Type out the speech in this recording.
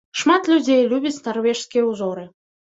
Шмат людзей любіць нарвежскія ўзоры.